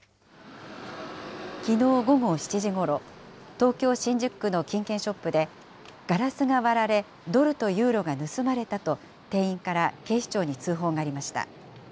きのう午後７時ごろ、東京・新宿区の金券ショップで、ガラスが割られ、ドルとユーロが盗まれたと、店員から警視庁に通報がありました。